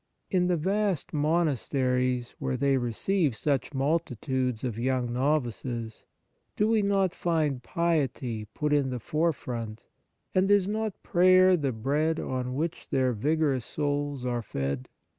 In the vast monasteries, where they receive such multitudes of young novices, do we not find piety put in the fore front, and is not prayer the bread on which their vigorous souls are fed?